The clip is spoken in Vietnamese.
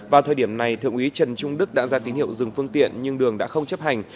vào thời điểm này thượng úy trần trung đức đã ra tín hiệu dừng phương tiện nhưng đường đã không chấp hành